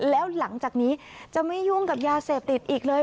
แล้วหลังจากนี้จะไม่ยุ่งกับยาเสพติดอีกเลย